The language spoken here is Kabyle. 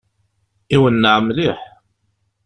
Iwenneɛ mliḥ!